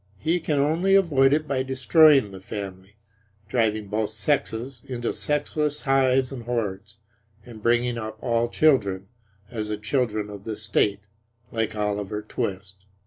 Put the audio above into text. He can only avoid it by destroying the family, driving both sexes into sexless hives and hordes, and bringing up all children as the children of the state like Oliver Twist.